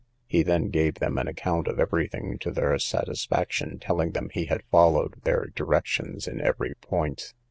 He then gave them an account of every thing to their satisfaction, telling them he had followed their directions in every point.